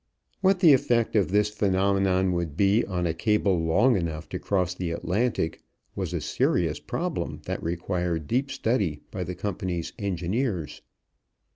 What the effect of this phenomenon would be on a cable long enough to cross the Atlantic wan a serious problem that required deep study by the company's engineers.